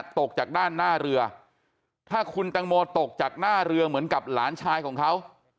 ตกจากด้านหน้าเรือถ้าคุณตังโมตกจากหน้าเรือเหมือนกับหลานชายของเขา